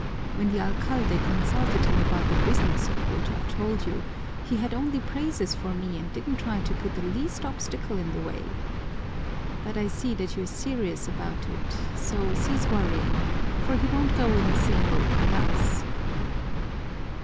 When the alcalde consulted him about the business of which I've told you, he had only praises for me and didn't try to put the least obstacle in the way. But I see that you're serious about it, so cease worrying, for he won't go in the same boat with us."